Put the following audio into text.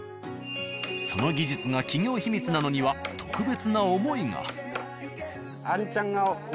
その技術が企業秘密なのには特別な思いが。